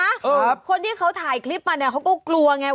ครับคนที่เขาถ่ายคลิปมาเนี้ยเขาก็กลัวไง